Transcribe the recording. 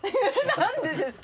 何でですか。